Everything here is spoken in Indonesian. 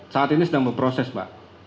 saat ini sedang berproses pak